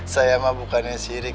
saya mah bukannya si irik